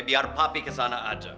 biar papi ke sana aja